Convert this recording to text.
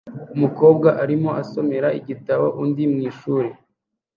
umukobwa arimo asomera igitabo undi mwishuri